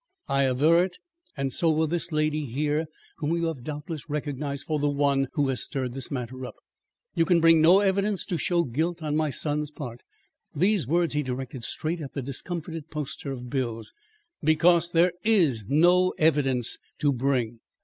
I aver it and so will this lady here whom you have doubtless recognised for the one who has stirred this matter up. You can bring no evidence to show guilt on my son's part," these words he directed straight at the discomfited poster of bills "BECAUSE THERE IS NO EVIDENCE TO BRING."